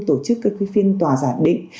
tổ chức các phiên tòa giả định